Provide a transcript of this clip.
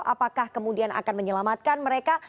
apakah kemudian akan menyelamatkan mereka